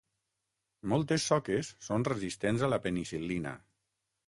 Moltes soques són resistents a la penicil·lina.